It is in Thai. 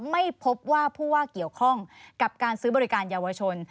ไม่พบว่าผู้ว่าเกี่ยวข้องกับการซื้อบริการเยาวชน